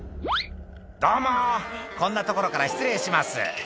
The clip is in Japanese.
「どうもこんな所から失礼します」